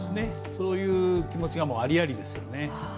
そういう気持ちがありありですよね。